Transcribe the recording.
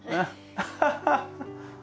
アハハハ！